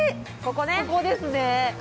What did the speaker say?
ここですね。